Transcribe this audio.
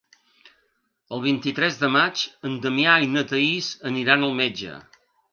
El vint-i-tres de maig en Damià i na Thaís aniran al metge.